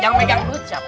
yang megang duit siapa